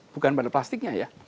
bukan pada plastiknya ya